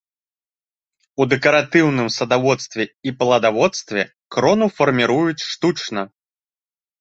У дэкаратыўным садаводстве і пладаводстве крону фарміруюць штучна.